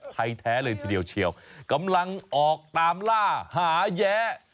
ไทยแท้เลยทีเดียวเชียวกำลังออกตามล่าหาแย้